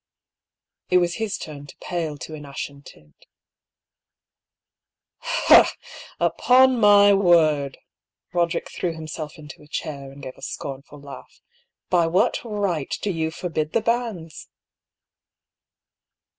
It was his turn to pale to an ashen tint. " Upon my word !" Boderick threw himself into a chair, and gave a scornful laugh. " By what right do you forbid the banns